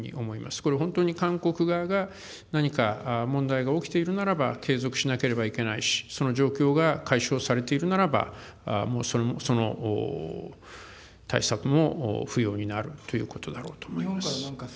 これ本当に韓国側が、何か問題が起きているならば継続しなければいけないし、その状況が解消されているならば、もうその対策も不要になるということだろうと思います。